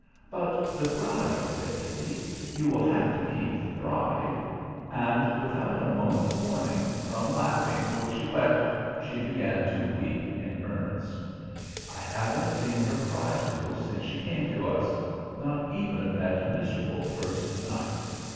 "But the bride," said Kitty; "you will have to keep the bride." And without a moment's warning, from laughing till she wept, she began to weep in earnest. I haven't seen her cry so since she came to us, not even that miserable first night.